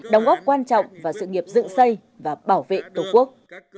đóng góp quan trọng vào sự nghiệp dựng xây và bảo vệ tổ quốc